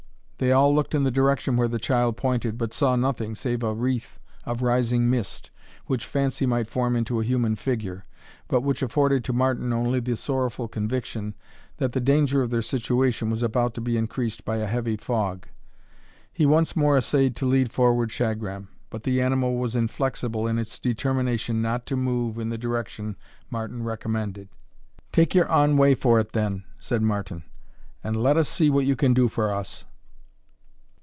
They all looked in the direction where the child pointed, but saw nothing, save a wreath, of rising mist, which fancy might form into a human figure; but which afforded to Martin only the sorrowful conviction, that the danger of their situation was about to be increased by a heavy fog. He once more essayed to lead forward Shagram; but the animal was inflexible in its determination not to move in the direction Martin recommended. "Take your awn way for it, then," said Martin, "and let us see what you can do for us."